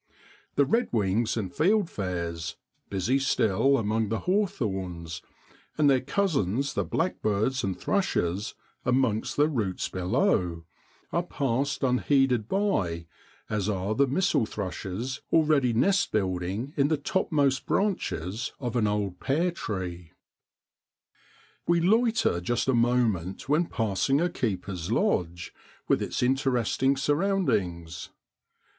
The redwings and fieldfares, busy still among the hawthorns, and their cousins the blackbirds and thrushes amongst the roots below, are passed unheeded by, as are the missel thrushes already nest building in the topmost branches of an old pear tree. We loiter just a moment when passing a keeper's lodge, with its interesting surroundings.